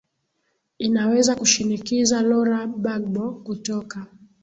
inaweza kushinikiza lora bagbo kutoka